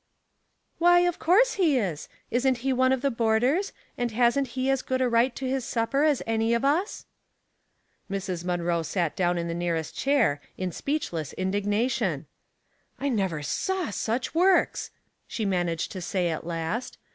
''" Why, of course he is. Isn't he one of the boarders, and hasn't he as good a right to his supper as any of us?" Mrs. Munroe sat down in the nearest chair, in speechless indignation. *' I never saw such works !" she managed to say at last.